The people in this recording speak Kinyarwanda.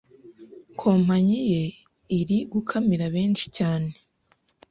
Kompanyi ye iri gukamira benshi cyane